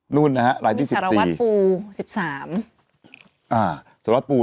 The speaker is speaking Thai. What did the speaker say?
นู่นนะฮะหลายที่๑๔มีสารวัตรปู๑๓